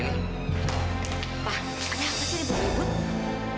pak ada apa sih di bawah ibu